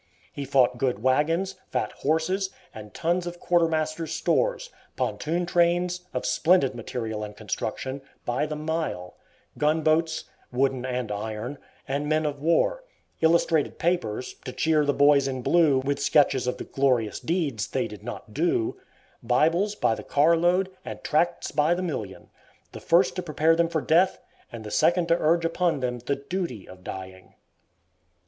He fought good wagons, fat horses, and tons of quartermaster's stores; pontoon trains, of splendid material and construction, by the mile; gunboats, wooden and iron, and men of war; illustrated papers, to cheer the "Boys in Blue" with sketches of the glorious deeds they did not do; Bibles by the car load, and tracts by the million, the first to prepare them for death, and the second to urge upon them the duty of dying.